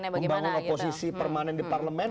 membangun oposisi permanen di parlemen